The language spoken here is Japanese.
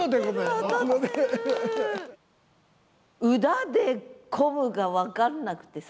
「うだで混む」が分かんなくてさ。